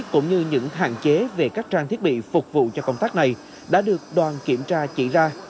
cũng như những hạn chế về các trang thiết bị phục vụ cho công tác này đã được đoàn kiểm tra chỉ ra